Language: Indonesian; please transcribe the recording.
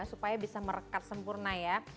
supaya bisa merekat sempurna ya